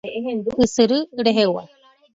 Ysyry rehegua.